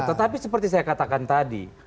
tetapi seperti saya katakan tadi